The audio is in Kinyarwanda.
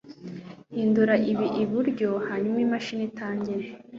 hindura ibi iburyo, hanyuma imashini itangire